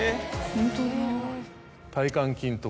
ホントだ。